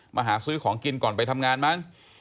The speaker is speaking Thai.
มาหาซื้อของกินก่อนไปทำงานมั้ง